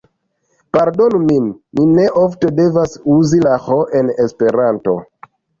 Pardonu min, mi ne ofte devas uzi la ĥ en esperanto.